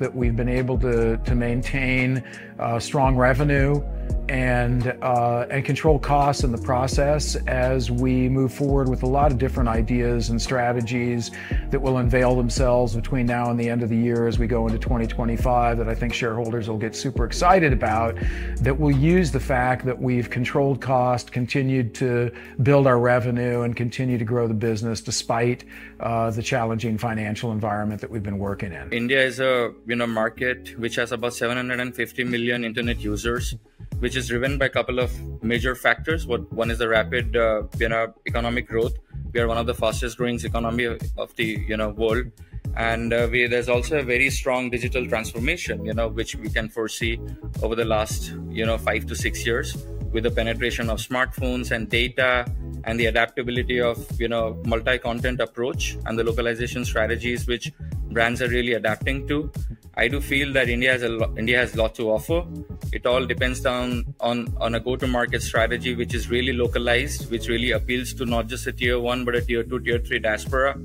that we've been able to maintain strong revenue and control costs in the process as we move forward with a lot of different ideas and strategies that will unveil themselves between now and the end of the year as we go into twenty twenty-five, that I think shareholders will get super excited about, that we'll use the fact that we've controlled cost, continued to build our revenue, and continue to grow the business despite the challenging financial environment that we've been working in. India is a, you know, market which has about 750 million internet users, which is driven by a couple of major factors. One is the rapid, you know, economic growth. We are one of the fastest-growing economy of the, you know, world. There's also a very strong digital transformation, you know, which we can foresee over the last, you know, five to six years, with the penetration of smartphones and data, and the adaptability of, you know, multi-content approach, and the localization strategies which brands are really adapting to. I do feel that India has a lot to offer. It all depends on a go-to-market strategy, which is really localized, which really appeals to not just a Tier One, but a Tier Two, Tier Three diaspora.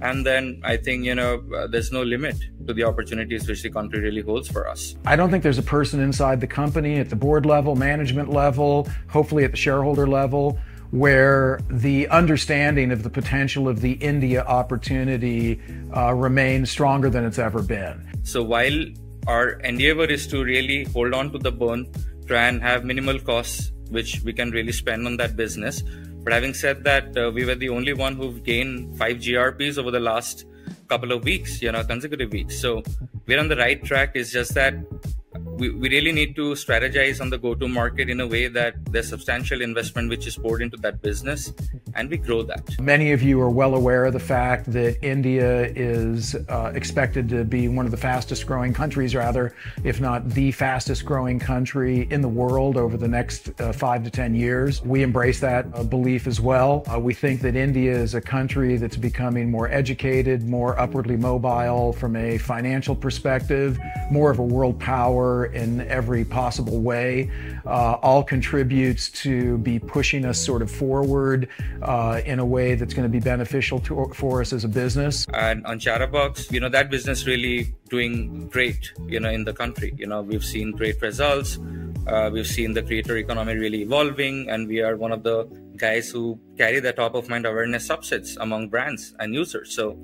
And then I think, you know, there's no limit to the opportunities which the country really holds for us. I don't think there's a person inside the company at the board level, management level, hopefully at the shareholder level, where the understanding of the potential of the India opportunity remains stronger than it's ever been. So while our endeavor is to really hold on to the burn, try and have minimal costs, which we can really spend on that business. But having said that, we were the only one who've gained five GRPs over the last couple of weeks, you know, consecutive weeks. So we're on the right track. It's just that we really need to strategize on the go-to market in a way that there's substantial investment which is poured into that business, and we grow that. Many of you are well aware of the fact that India is expected to be one of the fastest-growing countries, rather, if not the fastest-growing country in the world over the next five to ten years. We embrace that belief as well. We think that India is a country that's becoming more educated, more upwardly mobile from a financial perspective, more of a world power in every possible way. All contributes to be pushing us sort of forward in a way that's gonna be beneficial for us as a business. On Chtrbox, you know, that business really doing great, you know, in the country. You know, we've seen great results. We've seen the creator economy really evolving, and we are one of the guys who carry the top-of-mind awareness subsets among brands and users. So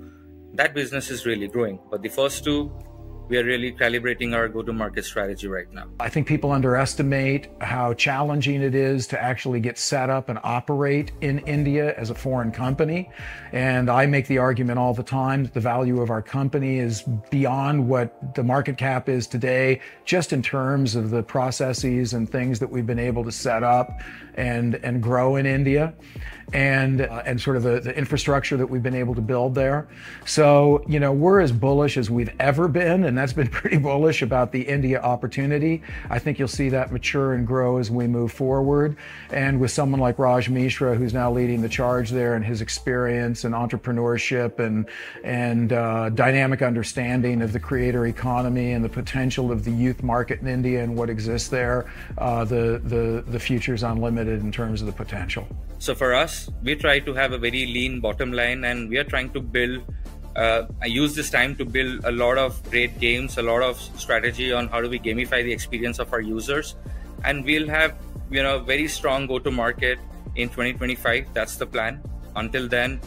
that business is really growing. But the first two, we are really calibrating our go-to-market strategy right now. I think people underestimate how challenging it is to actually get set up and operate in India as a foreign company. I make the argument all the time that the value of our company is beyond what the market cap is today, just in terms of the processes and things that we've been able to set up and grow in India, and sort of the infrastructure that we've been able to build there. You know, we're as bullish as we've ever been, and that's been pretty bullish about the India opportunity. I think you'll see that mature and grow as we move forward. And with someone like Raj Mishra, who's now leading the charge there, and his experience in entrepreneurship and dynamic understanding of the creator economy and the potential of the youth market in India and what exists there, the future's unlimited in terms of the potential. So for us, we try to have a very lean bottom line, and we are trying to build. I use this time to build a lot of great games, a lot of strategy on how do we gamify the experience of our users, and we'll have, you know, a very strong go-to market in twenty twenty-five. That's the plan. Until then,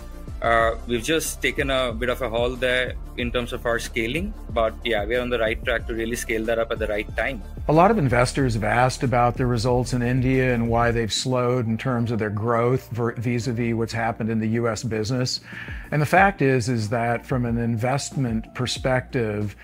we've just taken a bit of a halt there in terms of our scaling. But, yeah, we are on the right track to really scale that up at the right time. A lot of investors have asked about the results in India and why they've slowed in terms of their growth vis-à-vis what's happened in the US business. The fact is that from an investment perspective,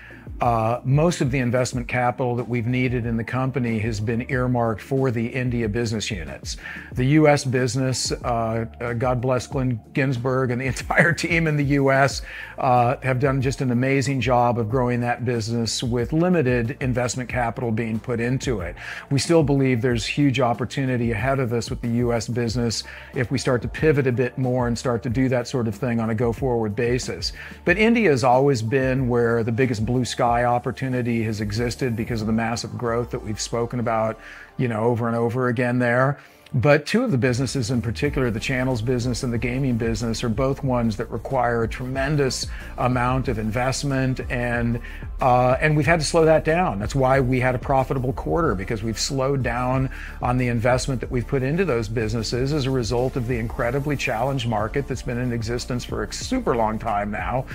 most of the investment capital that we've needed in the company has been earmarked for the India business units. The US business, God bless Glenn Ginsburg and the entire team in the US, have done just an amazing job of growing that business with limited investment capital being put into it. We still believe there's huge opportunity ahead of us with the US business if we start to pivot a bit more and start to do that sort of thing on a go-forward basis. But India has always been where the biggest blue sky opportunity has existed because of the massive growth that we've spoken about, you know, over and over again there. But two of the businesses in particular, the channels business and the gaming business, are both ones that require a tremendous amount of investment, and, and we've had to slow that down. That's why we had a profitable quarter, because we've slowed down on the investment that we've put into those businesses as a result of the incredibly challenged market that's been in existence for a super long time now,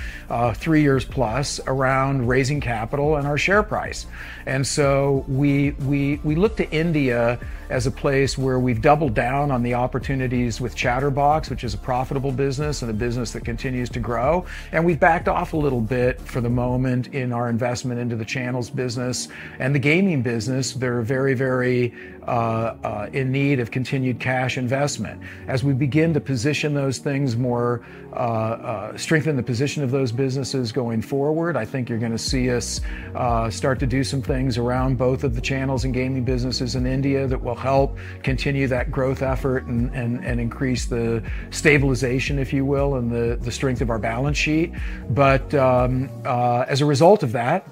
three years plus, around raising capital and our share price. And so we look to India as a place where we've doubled down on the opportunities with Chtrbox, which is a profitable business and a business that continues to grow, and we've backed off a little bit for the moment in our investment into the channels business. And the gaming business, they're very in need of continued cash investment. As we begin to position those things more, strengthen the position of those businesses going forward, I think you're gonna see us start to do some things around both of the channels and gaming businesses in India that will help continue that growth effort and increase the stabilization, if you will, and the strength of our balance sheet. But, as a result of that,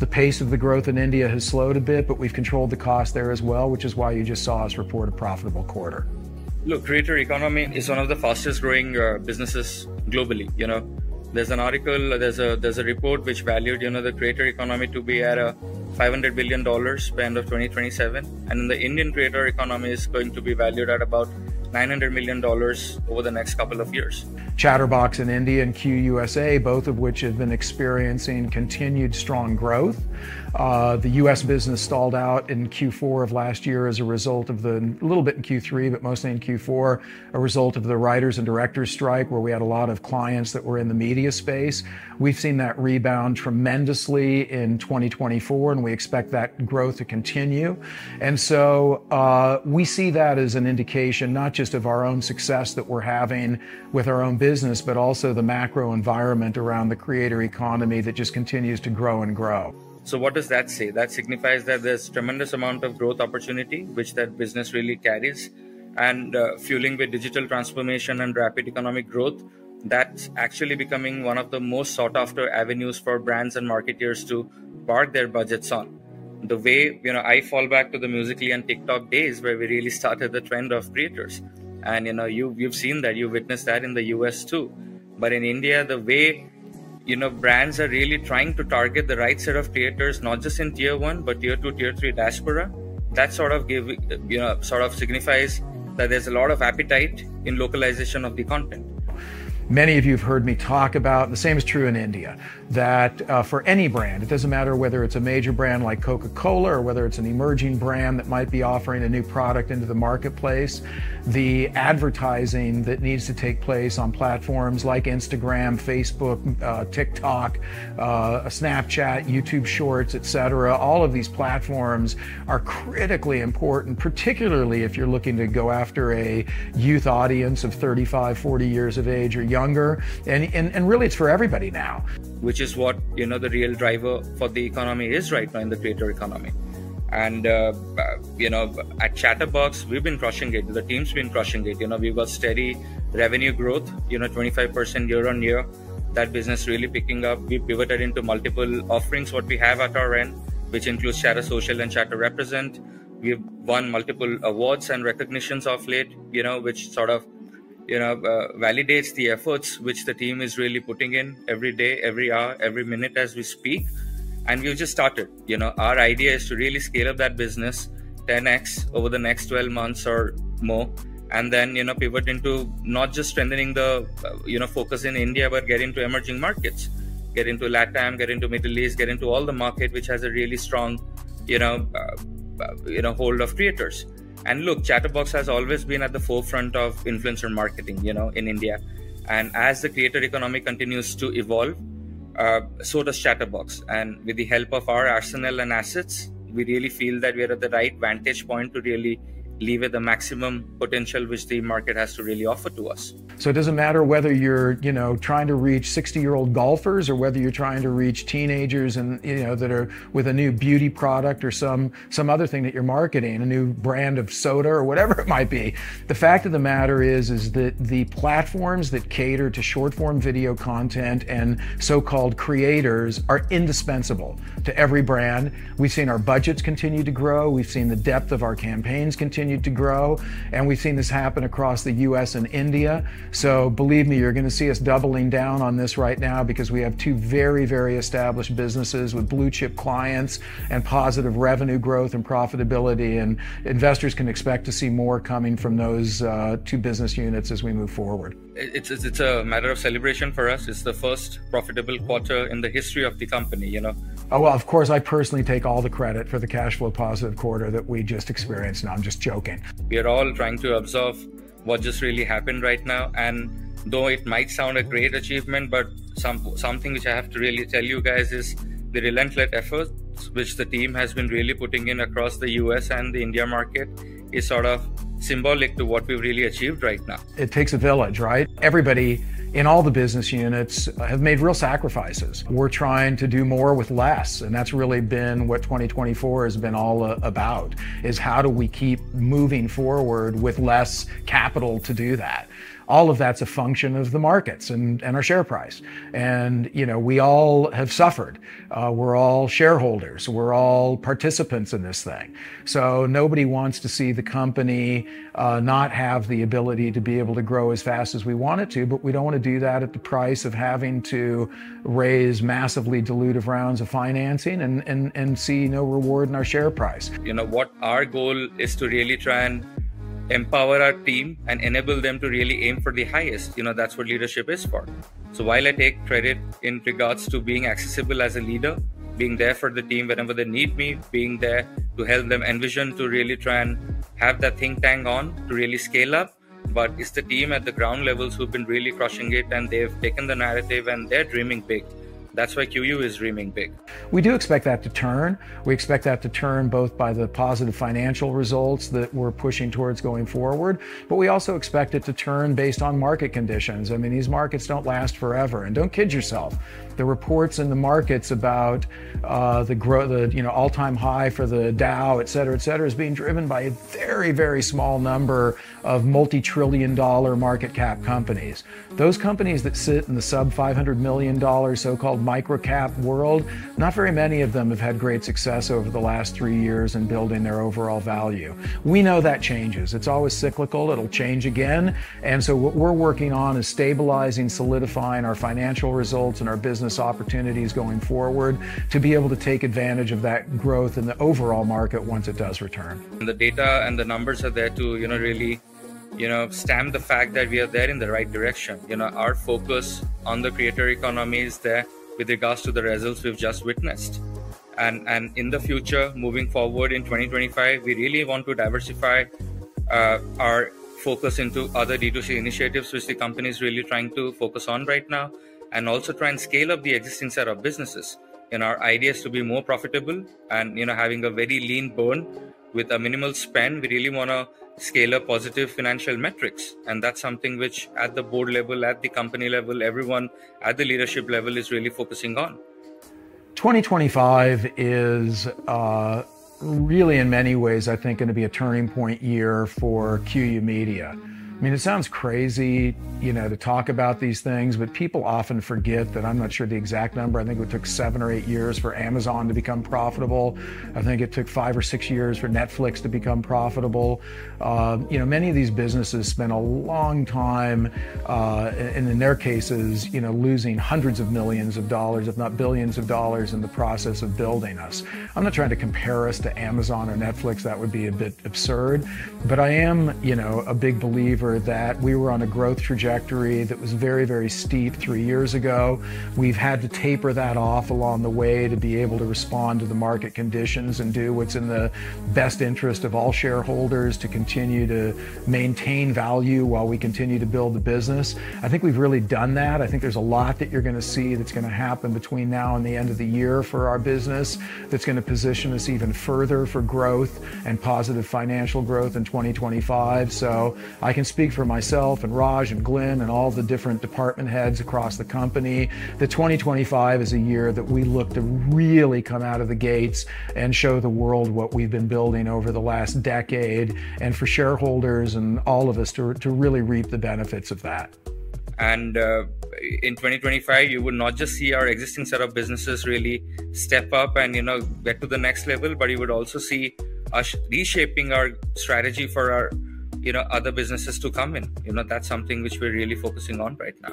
the pace of the growth in India has slowed a bit, but we've controlled the cost there as well, which is why you just saw us report a profitable quarter.... Look, creator economy is one of the fastest growing businesses globally, you know? There's a report which valued, you know, the creator economy to be at $500 billion by end of 2027, and the Indian creator economy is going to be valued at about $900 million over the next couple of years. Chtrbox in India and QYOU USA, both of which have been experiencing continued strong growth. The US business stalled out a little bit in Q3, but mostly in Q4 of last year as a result of the writers' and directors' strike, where we had a lot of clients that were in the media space. We've seen that rebound tremendously in 2024, and we expect that growth to continue. And so, we see that as an indication, not just of our own success that we're having with our own business, but also the macro environment around the creator economy that just continues to grow and grow. So what does that say? That signifies that there's tremendous amount of growth opportunity, which that business really carries, and fueling with digital transformation and rapid economic growth, that's actually becoming one of the most sought-after avenues for brands and marketers to park their budgets on. The way, you know, I fall back to the Musical.ly and TikTok days, where we really started the trend of creators, and, you know, you've seen that, you've witnessed that in the U.S., too. But in India, the way, you know, brands are really trying to target the right set of creators, not just in tier one, but tier two, tier three diaspora, that sort of, you know, sort of signifies that there's a lot of appetite in localization of the content. Many of you have heard me talk about the same is true in India, that, for any brand, it doesn't matter whether it's a major brand like Coca-Cola, or whether it's an emerging brand that might be offering a new product into the marketplace, the advertising that needs to take place on platforms like Instagram, Facebook, TikTok, Snapchat, YouTube Shorts, et cetera, all of these platforms are critically important, particularly if you're looking to go after a youth audience of thirty-five, forty years of age or younger. And really, it's for everybody now. Which is what, you know, the real driver for the economy is right now in the creator economy. And, you know, at Chtrbox, we've been crushing it. The team's been crushing it. You know, we've got steady revenue growth, you know, 25% year on year. That business really picking up. We pivoted into multiple offerings, what we have at our end, which includes ChtrSocial and ChtrRepresent. We've won multiple awards and recognitions of late, you know, which sort of, you know, validates the efforts which the team is really putting in every day, every hour, every minute as we speak, and we've just started. You know, our idea is to really scale up that business 10X over the next twelve months or more, and then, you know, pivot into not just strengthening the, you know, focus in India, but get into emerging markets, get into LatAm, get into Middle East, get into all the market, which has a really strong, you know, hold of creators. And look, Chtrbox has always been at the forefront of influencer marketing, you know, in India, and as the creator economy continues to evolve, so does Chtrbox. And with the help of our arsenal and assets, we really feel that we are at the right vantage point to really lever the maximum potential which the market has to really offer to us. So it doesn't matter whether you're, you know, trying to reach sixty-year-old golfers or whether you're trying to reach teenagers and, you know, that are with a new beauty product or some, some other thing that you're marketing, a new brand of soda or whatever it might be, the fact of the matter is, is that the platforms that cater to short-form video content and so-called creators are indispensable to every brand. We've seen our budgets continue to grow, we've seen the depth of our campaigns continue to grow, and we've seen this happen across the U.S. and India. So believe me, you're gonna see us doubling down on this right now because we have two very, very established businesses with blue-chip clients and positive revenue growth and profitability, and investors can expect to see more coming from those two business units as we move forward. It's a matter of celebration for us. It's the first profitable quarter in the history of the company, you know? Oh, well, of course, I personally take all the credit for the cash flow positive quarter that we just experienced. No, I'm just joking. We are all trying to observe what just really happened right now, and though it might sound a great achievement, but something which I have to really tell you guys is the relentless efforts which the team has been really putting in across the U.S. and the India market is sort of symbolic to what we've really achieved right now. It takes a village, right? Everybody in all the business units have made real sacrifices. We're trying to do more with less, and that's really been what twenty twenty-four has been all about, is how do we keep moving forward with less capital to do that? All of that's a function of the markets and our share price, and, you know, we all have suffered. We're all shareholders, we're all participants in this thing. So nobody wants to see the company not have the ability to be able to grow as fast as we want it to, but we don't wanna do that at the price of having to raise massively dilutive rounds of financing and see no reward in our share price. You know, what our goal is to really try and empower our team and enable them to really aim for the highest. You know, that's what leadership is for. So while I take credit in regards to being accessible as a leader, being there for the team whenever they need me, being there to help them envision, to really try and have that think tank on, to really scale up, but it's the team at the ground levels who've been really crushing it, and they've taken the narrative, and they're dreaming big. That's why QYOU is dreaming big. We do expect that to turn. We expect that to turn both by the positive financial results that we're pushing towards going forward, but we also expect it to turn based on market conditions. I mean, these markets don't last forever, and don't kid yourself. The reports in the markets about, you know, the all-time high for the Dow, et cetera, et cetera, is being driven by a very, very small number of multi-trillion-dollar market cap companies. Those companies that sit in the sub-$500 million, so-called micro-cap world, not very many of them have had great success over the last three years in building their overall value. We know that changes. It's always cyclical. It'll change again, and so what we're working on is stabilizing, solidifying our financial results and our business opportunities going forward, to be able to take advantage of that growth in the overall market once it does return. The data and the numbers are there to, you know, really, you know, stamp the fact that we are there in the right direction. You know, our focus on the creator economy is there with regards to the results we've just witnessed. In the future, moving forward in twenty twenty-five, we really want to diversify our focus into other D2C initiatives, which the company is really trying to focus on right now, and also try and scale up the existing set of businesses. Our idea is to be more profitable and, you know, having a very lean burn with a minimal spend. We really wanna scale up positive financial metrics, and that's something which at the board level, at the company level, everyone at the leadership level is really focusing on. 2025 is really, in many ways, I think, gonna be a turning point year for QYOU Media. I mean, it sounds crazy, you know, to talk about these things, but people often forget that I'm not sure the exact number. I think it took seven or eight years for Amazon to become profitable. I think it took five or six years for Netflix to become profitable. You know, many of these businesses spent a long time and in their cases, you know, losing hundreds of millions of dollars, if not billions of dollars, in the process of building us. I'm not trying to compare us to Amazon or Netflix, that would be a bit absurd, but I am, you know, a big believer that we were on a growth trajectory that was very, very steep three years ago. We've had to taper that off along the way to be able to respond to the market conditions and do what's in the best interest of all shareholders to continue to maintain value while we continue to build the business. I think we've really done that. I think there's a lot that you're gonna see that's gonna happen between now and the end of the year for our business, that's gonna position us even further for growth and positive financial growth in 2025. So I can speak for myself and Raj and Glenn and all the different department heads across the company, that 2025 is a year that we look to really come out of the gates and show the world what we've been building over the last decade, and for shareholders and all of us to really reap the benefits of that. In twenty twenty-five, you will not just see our existing set of businesses really step up and, you know, get to the next level, but you would also see us reshaping our strategy for our, you know, other businesses to come in. You know, that's something which we're really focusing on right now.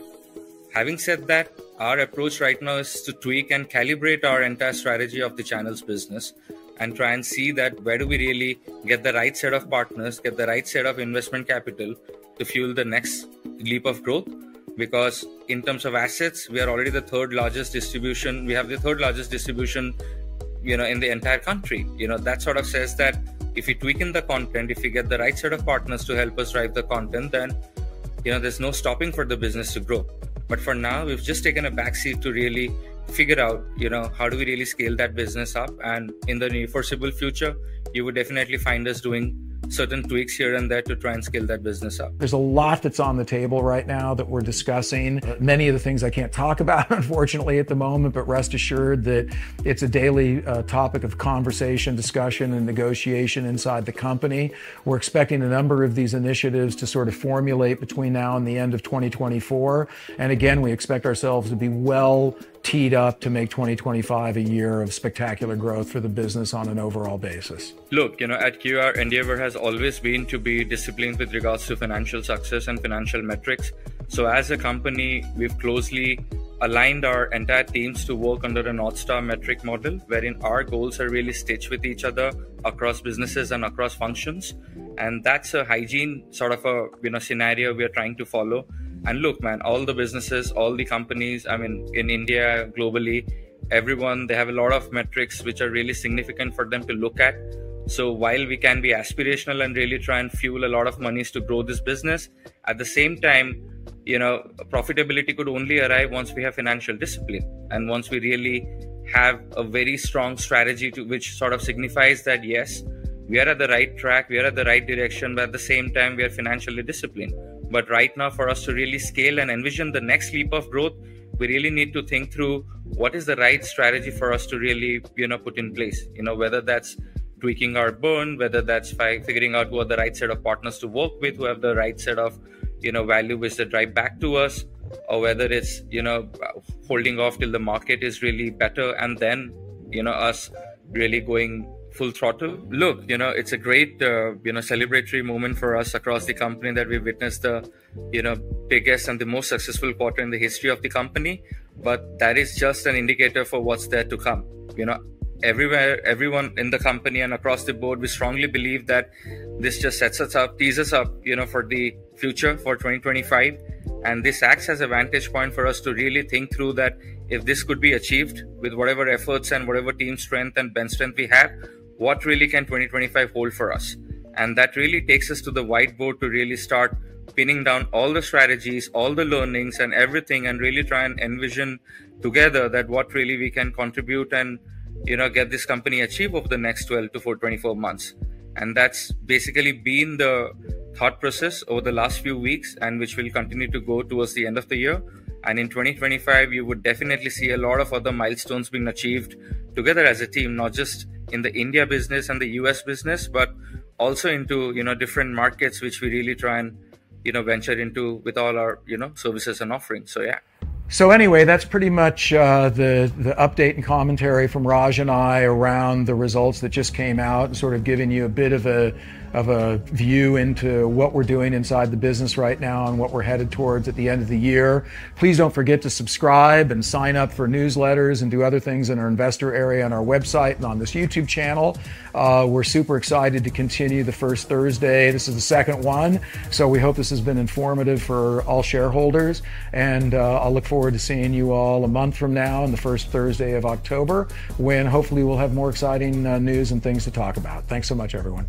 Having said that, our approach right now is to tweak and calibrate our entire strategy of the channels business and try and see that where do we really get the right set of partners, get the right set of investment capital to fuel the next leap of growth? Because in terms of assets, we are already the third largest distribution. We have the third largest distribution, you know, in the entire country. You know, that sort of says that if you're tweaking the content, if you get the right set of partners to help us drive the content, then, you know, there's no stopping for the business to grow. But for now, we've just taken a backseat to really figure out, you know, how do we really scale that business up? In the foreseeable future, you will definitely find us doing certain tweaks here and there to try and scale that business up. There's a lot that's on the table right now that we're discussing. Many of the things I can't talk about, unfortunately, at the moment, but rest assured that it's a daily topic of conversation, discussion, and negotiation inside the company. We're expecting a number of these initiatives to sort of formulate between now and the end of 2024, and again, we expect ourselves to be well teed up to make 2025 a year of spectacular growth for the business on an overall basis. Look, you know, at QYOU, our endeavor has always been to be disciplined with regards to financial success and financial metrics, so as a company, we've closely aligned our entire teams to work under a North Star metric model, wherein our goals are really stitched with each other across businesses and across functions, and that's a hygiene sort of a, you know, scenario we are trying to follow, and look, man, all the businesses, all the companies, I mean, in India, globally, everyone, they have a lot of metrics which are really significant for them to look at. While we can be aspirational and really try and fuel a lot of money to grow this business, at the same time, you know, profitability could only arrive once we have financial discipline, and once we really have a very strong strategy to which sort of signifies that, yes, we are at the right track, we are at the right direction, but at the same time, we are financially disciplined. Right now, for us to really scale and envision the next leap of growth, we really need to think through what is the right strategy for us to really, you know, put in place. You know, whether that's tweaking our burn, whether that's figuring out who are the right set of partners to work with, who have the right set of, you know, value, which they drive back to us, or whether it's, you know, holding off till the market is really better, and then, you know, us really going full throttle. Look, you know, it's a great, you know, celebratory moment for us across the company that we've witnessed the, you know, biggest and the most successful quarter in the history of the company, but that is just an indicator for what's there to come. You know, everywhere, everyone in the company and across the board, we strongly believe that this just sets us up, tees us up, you know, for the future, for twenty twenty-five, and this acts as a vantage point for us to really think through that if this could be achieved with whatever efforts and whatever team strength and bench strength we have, what really can twenty twenty-five hold for us? And that really takes us to the whiteboard to really start pinning down all the strategies, all the learnings and everything, and really try and envision together that what really we can contribute and, you know, get this company achieve over the next twelve to twenty-four months. And that's basically been the thought process over the last few weeks and which will continue to go towards the end of the year. In 2025, you would definitely see a lot of other milestones being achieved together as a team, not just in the India business and the U.S. business, but also into, you know, different markets, which we really try and, you know, venture into with all our, you know, services and offerings. So, yeah. So anyway, that's pretty much the update and commentary from Raj and I around the results that just came out and sort of giving you a bit of a view into what we're doing inside the business right now and what we're headed towards at the end of the year. Please don't forget to subscribe and sign up for newsletters and do other things in our investor area on our website and on this YouTube channel. We're super excited to continue the first Thursday. This is the second one, so we hope this has been informative for all shareholders, and I'll look forward to seeing you all a month from now on the first Thursday of October, when hopefully we'll have more exciting news and things to talk about. Thanks so much, everyone!